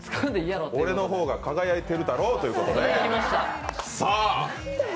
俺の方が輝いてるだろうということで。